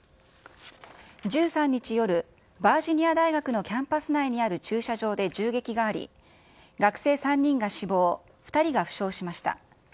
１３日夜、バージニア大学のキャンパス内にある駐車場で銃撃があり、学生３人が死亡、２人が負傷しました。